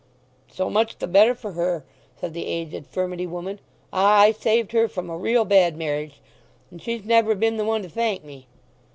"So much the better for her," said the aged furmity woman. "Ah, I saved her from a real bad marriage, and she's never been the one to thank me."